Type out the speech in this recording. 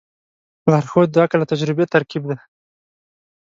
لارښود د عقل او تجربې ترکیب دی.